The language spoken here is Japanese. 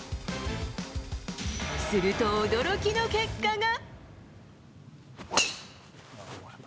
すると驚きの結果が。